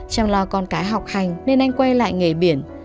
chăm lo con cái học hành nên anh quay lại nghề biển